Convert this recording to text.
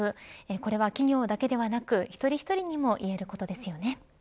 これは、企業だけではなく一人一人にも言えることですよね。